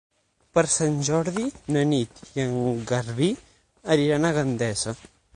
Per Sant Jordi na Nit i en Garbí aniran a Gandesa.